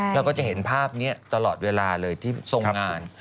เราก็จะเห็นภาพนี้ตลอดเวลาเลยที่ทรงงาน